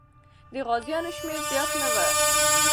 د غازیانو شمېر زیات نه و.